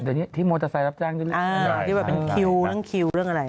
เดี๋ยวนี้ที่มอเตอร์ไซด์รับจ้างด้วยนะครับอ่าที่ว่าเป็นคิวเรื่องอะไร